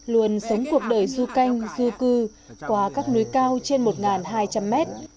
luôn sống cuộc đời du canh du cư qua các núi cao trên một hai trăm linh mét